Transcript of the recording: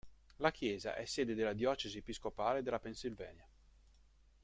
La chiesa è sede della diocesi episcopale della Pennsylvania.